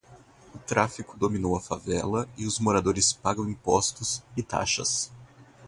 O tráfico dominou a favela e os moradores pagam impostos e taxas